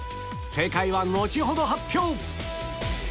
正解は後ほど発表